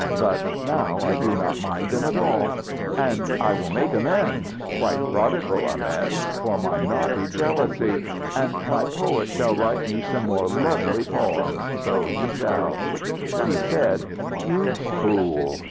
But now I do not mind them at all. And I will make amends, quite prodigal amends, for my naughty jealousy; and my poet shall write me some more lovely poems, so he shall " He said "You fool!"